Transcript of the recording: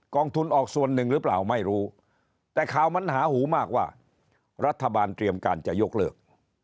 ทุนออกส่วนหนึ่งหรือเปล่าไม่รู้แต่ข่าวมันหาหูมากว่ารัฐบาลเตรียมการจะยกเลิก